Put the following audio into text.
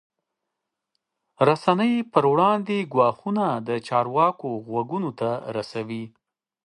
رسنۍ پر وړاندې ګواښونه چارواکو غوږونو ته رسوي.